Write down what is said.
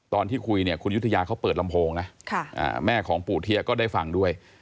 ตอนที่คุยเนี่ยคุณยุธยาเขาเปิดลำโพงนะแม่ของปู่เทียก็ได้ฟังด้วย